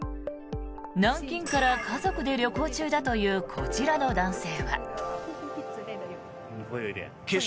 南京から家族で旅行中だというこちらの男性は。